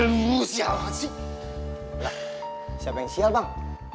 eh siapa yang sia bang